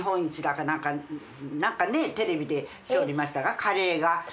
なんかねテレビでしよりましたがカレーが。